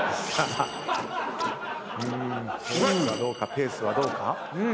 ペースはどうか？